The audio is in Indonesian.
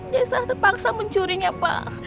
desa terpaksa mencurinya pak